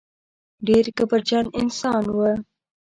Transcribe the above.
ډېر کبرجن انسان و.